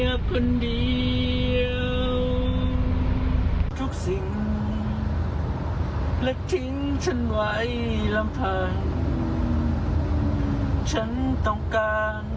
ขอบคุณมากนะครับขอบคุณสำหรับกิฟต์ของขวัญนะครับ